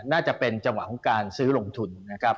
น่าจะเป็นจังหวะของการซื้อลงทุนนะครับ